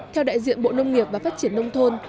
theo đại diện bộ nông nghiệp và phát triển nông thôn